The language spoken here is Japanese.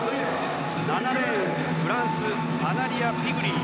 ７レーン、フランスアナリア・ピグリー。